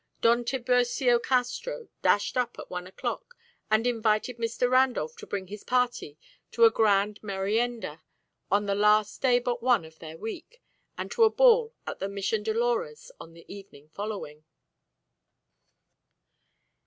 Don Tiburcio Castro dashed up at one o'clock, and invited Mr. Randolph to bring his party to a grand merienda on the last day but one of their week, and to a ball at the Mission Dolores on the evening following.